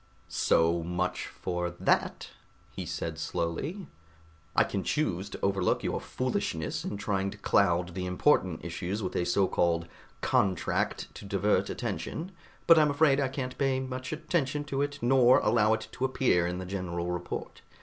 "So much for that," he said slowly. "I can choose to overlook your foolishness in trying to cloud the important issues with a so called 'contract' to divert attention, but I'm afraid I can't pay much attention to it, nor allow it to appear in the general report.